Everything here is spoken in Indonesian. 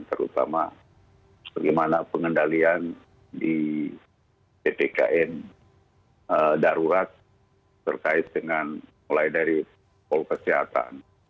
terutama bagaimana pengendalian di ppkm darurat terkait dengan mulai dari pol kesehatan